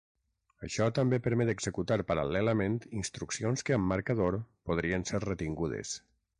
Això també permet executar paral·lelament instruccions que amb marcador podrien ser retingudes.